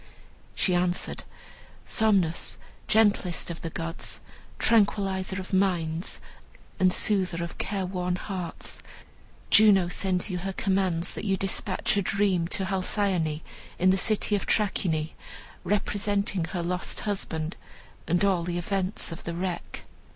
She answered, "Somnus, gentlest of the gods, tranquillizer of minds and soother of care worn hearts, Juno sends you her commands that you despatch a dream to Halcyone, in the city of Trachine, representing her lost husband and all the events of the wreck."